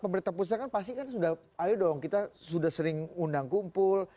pemerintah pusat kan pasti kan sudah ayo dong kita sudah sering undang kumpul